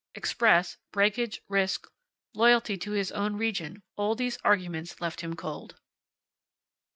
Express, breakage, risk, loyalty to his own region an these arguments left him cold.